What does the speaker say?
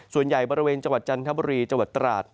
ส่วนใหญ่บาระเวนจันทร์บริจันทร์บรีบาร์ตราส